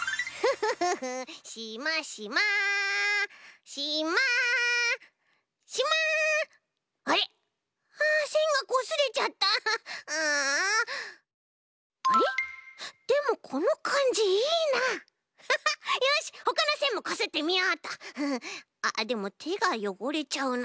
フフッあっでもてがよごれちゃうな。